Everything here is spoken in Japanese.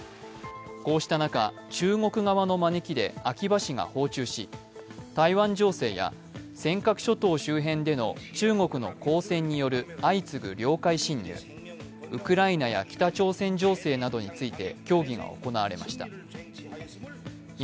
こうした中、中国側の招きで秋葉氏が訪中し台湾情勢や尖閣諸島周辺での中国の公船による相次ぐ領海侵入、ウクライナや北朝鮮情勢について協議が行われました。